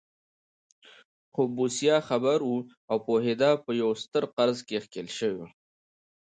خو بوسیا خبر و او پوهېده په یوه ستر قرض کې ښکېل شوی.